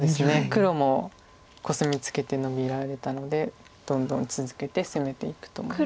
黒もコスミツケてノビられたのでどんどん続けて攻めていくと思います。